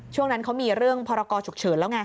ช่วงนั้นเขามีเรื่องพรกรฉุกเฉินแล้วไง